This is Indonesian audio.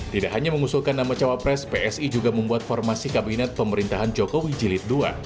tidak hanya mengusulkan nama cawapres psi juga membuat formasi kabinet pemerintahan jokowi jilid ii